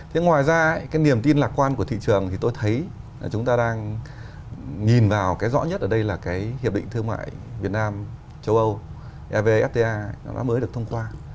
thế ngoài ra cái niềm tin lạc quan của thị trường thì tôi thấy là chúng ta đang nhìn vào cái rõ nhất ở đây là cái hiệp định thương mại việt nam châu âu evfta nó đã mới được thông qua